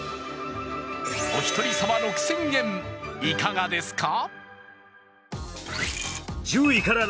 お一人様６０００円、いかがですか？